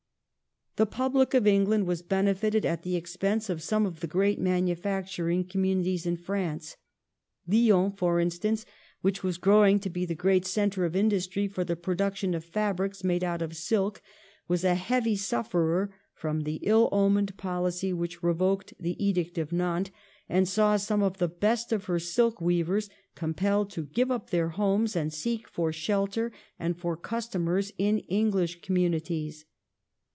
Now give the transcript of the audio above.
The public of England was benefited at the expense of some of the great manufacturing com munities in France. Lyons, for instance, which was growing to be the great centre of industry for the production of fabrics made out of silk, was a heavy sufierer from the ill omened policy which revoked the Edict of Nantes, and saw some of the best of her silk Weavers compelled to give up their homes and seek for shelter and for customers in English com munities.